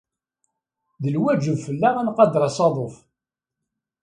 D lwaǧeb fell-aɣ ad nqader asaḍuf.